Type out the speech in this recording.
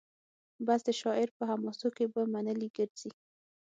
بس د شاعر په حماسو کي به منلي ګرځي